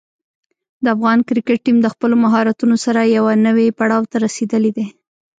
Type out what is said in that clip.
د افغان کرکټ ټیم د خپلو مهارتونو سره یوه نوې پړاو ته رسېدلی دی.